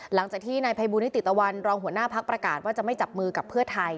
หลังจากที่นายภัยบูลนิติตะวันรองหัวหน้าพักประกาศว่าจะไม่จับมือกับเพื่อไทย